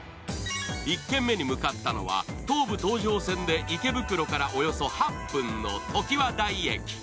１軒目に向かったのは東武東上線で池袋からおよそ８分のときわ台駅。